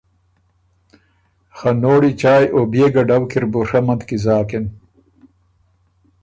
خه نوړی چایٛ او بيې ګډؤ کی ر بُو ڒمندکی زاکِن۔